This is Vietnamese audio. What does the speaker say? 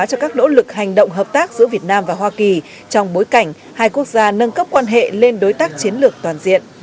cho các nỗ lực hành động hợp tác giữa việt nam và hoa kỳ trong bối cảnh hai quốc gia nâng cấp quan hệ lên đối tác chiến lược toàn diện